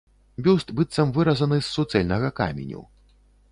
Бюст быццам выразаны з суцэльнага каменю.